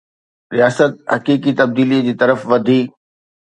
رياست حقيقي تبديليءَ جي طرف وڌي